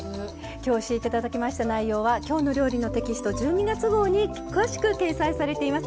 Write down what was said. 今日教えて頂きました内容は「きょうの料理」のテキスト１２月号に詳しく掲載されています。